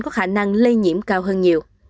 có khả năng lây nhiễm cao hơn nhiều